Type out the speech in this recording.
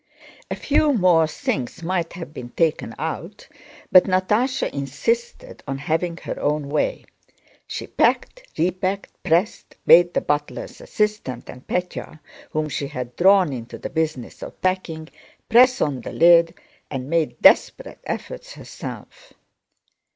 A few more things might have been taken out, but Natásha insisted on having her own way. She packed, repacked, pressed, made the butler's assistant and Pétya—whom she had drawn into the business of packing—press on the lid, and made desperate efforts herself.